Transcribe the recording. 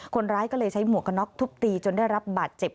คนร้ายก็เลยใช้หมวกกระน็อกทุบตีจนได้รับบาดเจ็บ